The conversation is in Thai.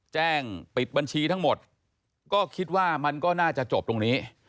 แจ้งปิดบัญชีทั้งหมดก็คิดว่ามันก็น่าจะจบตรงนี้